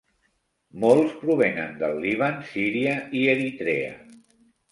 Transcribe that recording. Molts provenen del Líban, Síria i Eritrea.